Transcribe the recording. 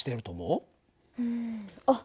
うんあっ